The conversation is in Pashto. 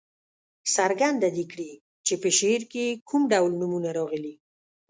څرګنده دې کړي چې په شعر کې کوم ډول نومونه راغلي.